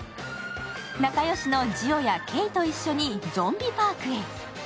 仲良しのジオやケイと一緒にゾンビパークへ。